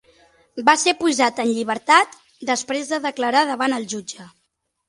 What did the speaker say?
Va ser posat en llibertat, després de declarar davant el jutge.